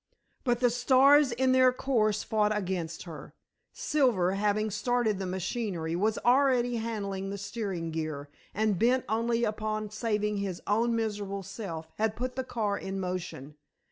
But the stars in their course fought against her. Silver, having started the machinery, was already handling the steering gear, and bent only upon saving his own miserable self, had put the car in motion.